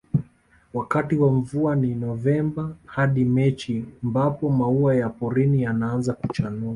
Wakati wa mvua ni Novemba hadi Machi mbapo maua ya porini yanaaza kuchanua